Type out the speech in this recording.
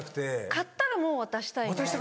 買ったらもう渡したいみたいな。